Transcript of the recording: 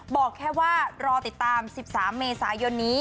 บอกแค่ว่ารอติดตาม๑๓เมษายนนี้